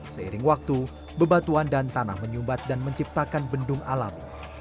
seiring waktu bebatuan dan tanah menyumbat dan menciptakan bendung alam